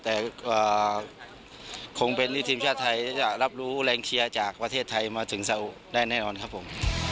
แต่คงเป็นที่ทีมชาติไทยจะรับรู้แรงเชียร์จากประเทศไทยมาถึงเสาได้แน่นอนครับผม